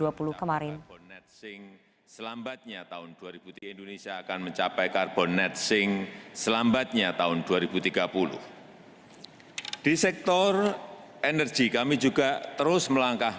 masa panjangnya season kan bos met sing selambatnya tahun dua ribu tiga belas indonesia akan mencapai carbon net sing selambatnya tahun dua ribu tiga puluh di sektor energi kami juga terus melangkah